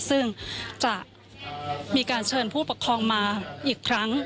ซึ่งจะมีการเชิญผู้ปกครองมาอีกครั้ง